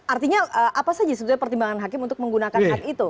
artinya apa saja sebetulnya pertimbangan hakim untuk menggunakan hak itu